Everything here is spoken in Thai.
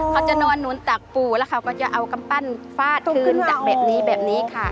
เขาจะนอนหนุนตักปู่แล้วเขาก็จะเอากำปั้นฟาดพื้นแบบนี้แบบนี้ค่ะ